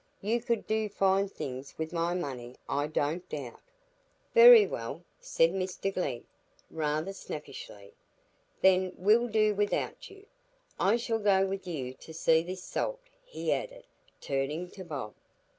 "You could do fine things wi' my money, I don't doubt." "Very well," said Mr Glegg, rather snappishly, "then we'll do without you. I shall go with you to see this Salt," he added, turning to Bob.